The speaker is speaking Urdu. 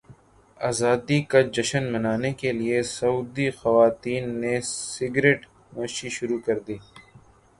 ازادی کا جشن منانے کے لیے سعودی خواتین نے سگریٹ نوشی شروع کردی